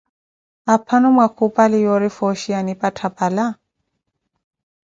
Aphano mwakhupali yoori fooxhi yanipattha pala!